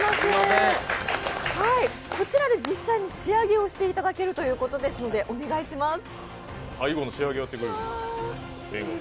こちらで実際に仕上げをしていただけるということですのでお願いします。